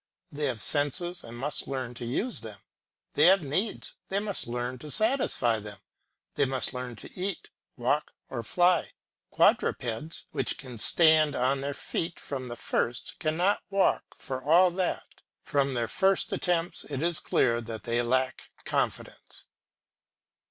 They have senses and must learn to use them; they have needs, they must learn to satisfy them; they must learn to eat, walk, or fly. Quadrupeds which can stand on their feet from the first cannot walk for all that; from their first attempts it is clear that they lack confidence.